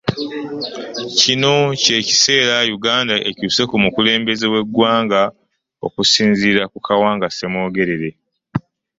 Kino kye kiseera Uganda ekyuse ku mukulembeze w'eggwanga okusinziira ku Kawanga Ssemwogerere.